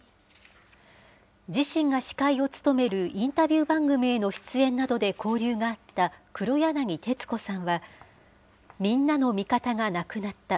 自身が司会を務めるインタビュー番組への出演などで交流があった黒柳徹子さんは、みんなの味方が亡くなった。